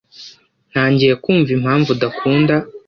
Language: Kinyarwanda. Ntangiye kumva impamvu udakunda